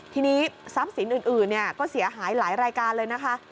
ทีนี้ทรัพย์สินอื่นก็เสียหายหลายรายการเลยนะคะ